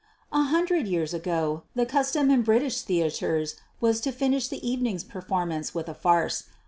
A hundred years ago, the custom in British theatres was to finish the evening's performance with a farce.